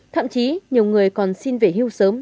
thậm chí nhiều người còn xin về hưu sớm